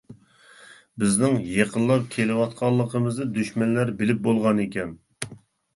بىزنىڭ يېقىنلاپ كېلىۋاتقانلىقىمىزنى دۈشمەنلەر بىلىپ بولغانىكەن.